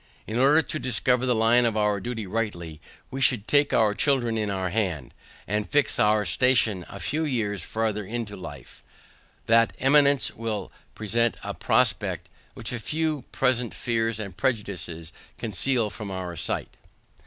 In order to discover the line of our duty rightly, we should take our children in our hand, and fix our station a few years farther into life; that eminence will present a prospect, which a few present fears and prejudices conceal from our sight.